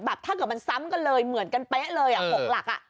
ถ้าเกิดมันซ้ำกันเลยเหมือนกันเป๊ะเลย๖หลัก